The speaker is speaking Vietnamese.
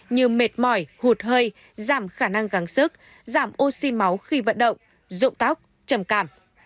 như mệt mỏi hụt hơi giảm khả năng gáng sức giảm oxy máu khi vận động dụng tóc trầm cảm